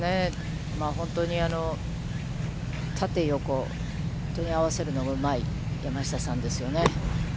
本当に縦横、本当に合わせるのがうまい山下さんですよね。